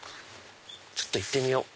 ちょっと行ってみよう。